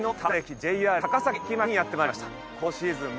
ＪＲ高崎駅前にやってまいりました。